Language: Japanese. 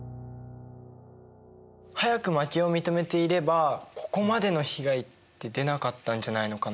早く負けを認めていればここまでの被害って出なかったんじゃないのかな。